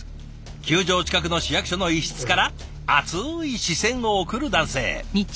球場近くの市役所の一室から熱い視線を送る男性。